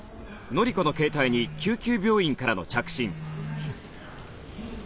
すみません。